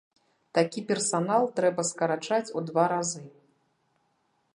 Такі персанал трэба скарачаць у два разы.